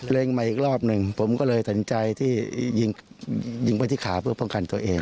มาอีกรอบหนึ่งผมก็เลยตัดสินใจที่ยิงไปที่ขาเพื่อป้องกันตัวเอง